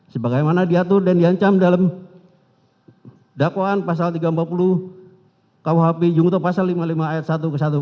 sebagaimana diatur dan diancam dalam dakwaan pasal tiga ratus empat puluh kuhp jungto pasal lima puluh lima ayat satu ke satu